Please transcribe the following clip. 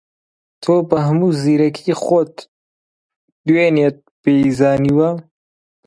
تۆ بە هەموو زیرەکیی خۆت دوێنێت پێ زانیوە